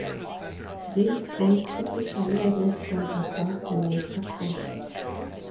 These banks typically rose from above the watercourse.